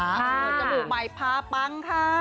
ส่วนจมูกใหม่พาปังค่ะ